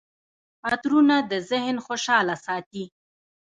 عطرونه د ذهن خوشحاله ساتي.